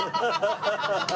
ハハハハ。